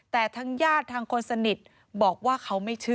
แต่ทั้งญาติทางคนสนิทบอกว่าเขาไม่เชื่อ